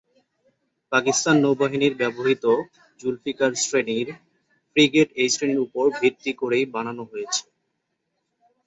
পাকিস্তান নৌবাহিনীর ব্যবহৃত "জুলফিকার শ্রেণি"র ফ্রিগেট এই শ্রেণির উপর ভিত্তি করেই বানানো হয়েছে।